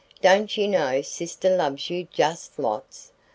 "Don't you know sister loves you just lots?